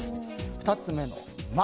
２つ目の「ま」。